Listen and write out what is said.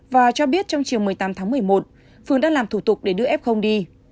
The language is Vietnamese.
và cho biết trong chiều một mươi tám tháng một mươi một phương đã làm thủ tục để đưa f đi